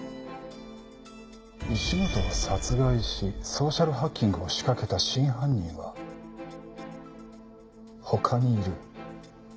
石本を殺害しソーシャルハッキングを仕掛けた真犯人は他にいる。